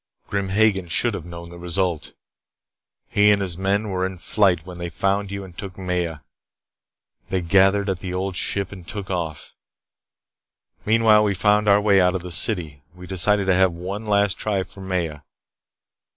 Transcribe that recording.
Grim Hagen should have known the result. He and his men were in flight when they found you and took Maya. They gathered at the Old Ship and took off. Meanwhile, we fought our way out of the city. We decided to have one last try for Maya.